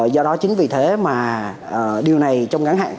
do đó chính vì thế mà điều này trong ngắn hạn